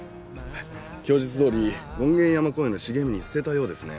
供述どおり権現山公園の茂みに捨てたようですね。